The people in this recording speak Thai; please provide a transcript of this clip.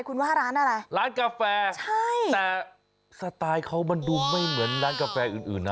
คุณว่าร้านอะไรร้านกาแฟใช่แต่สไตล์เขามันดูไม่เหมือนร้านกาแฟอื่นอื่นนะ